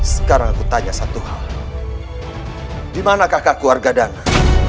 sekarang aku tanya satu hal dimana kakak keluarga dana